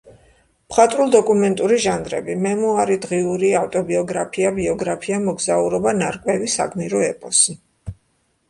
მხატვრულ-დოკუმენტური ჟანრები: მემუარი, დღიური, ავტობიოგრაფია, ბიოგრაფია, მოგზაურობა, ნარკვევი, საგმირო ეპოსი.